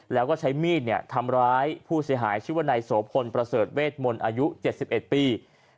แล้วก็ใช้มีดทำร้ายผู้เสียหายชื่อว่านายโสพลประเสริฐเวทมนต์อายุ๗๑ปี